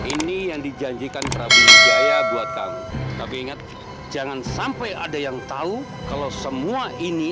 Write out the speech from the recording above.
ini yang dijanjikan prabu wijaya buat kami kami ingat jangan sampai ada yang tahu kalau semua ini